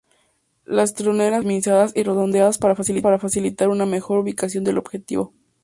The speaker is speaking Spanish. Las troneras fueron optimizadas y redondeadas para facilitar una mejor ubicación del objetivo.